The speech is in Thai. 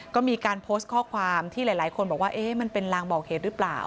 ก็มีการโพสต์ข้อความที่หลายคนบอกว่ามันเป็นลางบอกเหตุหรือเปล่า